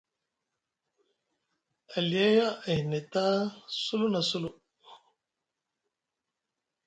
Aliya e hni taa sulu na sulu.